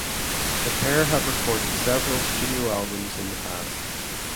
The pair have recorded several studio albums in the past.